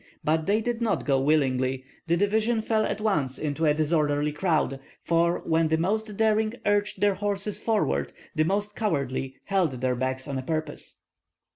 But they did not go willingly; the division fell at once into a disorderly crowd, for when the most daring urged their horses forward the most cowardly held theirs back on purpose.